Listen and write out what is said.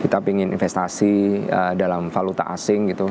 kita ingin investasi dalam valuta asing gitu